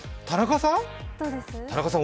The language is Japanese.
田中さん？